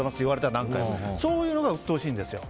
それがうっとうしいんですよ。